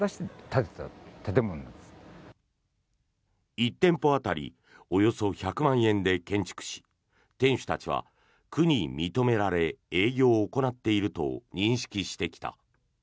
１店舗当たりおよそ１００万円で建築し店主たちは区に認められ営業を行っていると認識してきた。